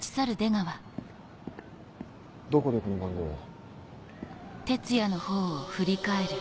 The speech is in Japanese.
どこでこの番号を？